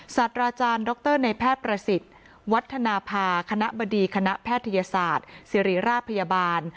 ศาสตราจารย์ดรในแพทย์ประสิทธิ์วัฒนภาคณะบดีคณะแพทยศาสตร์ศิริราชพยาบาล